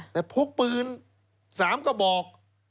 แต่พกปืน๓กระบอก